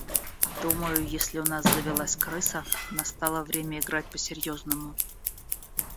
Думаю, если у нас завелась крыса, настало время играть по-серьезному.